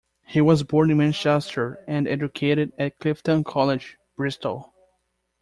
He was born in Manchester and educated at Clifton College, Bristol.